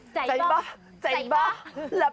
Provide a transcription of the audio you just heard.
ใจฟะ